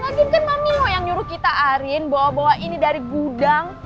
lagi kan mami lu yang nyuruh kita arin bawa bawa ini dari gudang